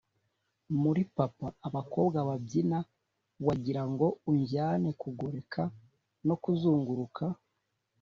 muri papa abakobwa babyina wagirango unjyane kugoreka no kuzunguruka.